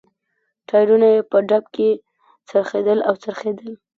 ټایرونه یې په ډب کې څرخېدل او څرخېدل.